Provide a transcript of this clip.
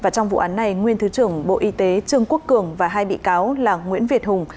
trong vụ án này nguyên thứ trưởng bộ y tế trương quốc cường và hai bị cáo là nguyễn việt hùng